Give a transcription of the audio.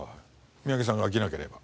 三宅さんが飽きなければ。